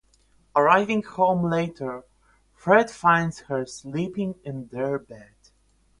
Arriving home later, Fred finds her sleeping in their bed.